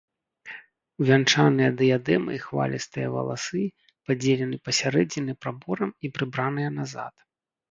Увянчаныя дыядэмай хвалістыя валасы падзелены пасярэдзіне праборам і прыбраныя назад.